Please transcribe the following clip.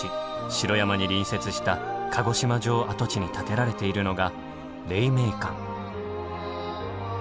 城山に隣接した鹿児島城跡地に建てられているのが黎明館。